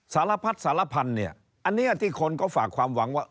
สารพัดสารพันธุ์เนี่ยอันนี้ที่คนก็ฝากความหวังว่า